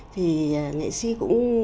thì nghệ sĩ cũng